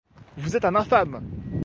Vous êtes un infâme!